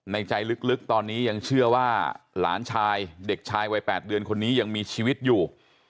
ใจลึกตอนนี้ยังเชื่อว่าหลานชายเด็กชายวัย๘เดือนคนนี้ยังมีชีวิตอยู่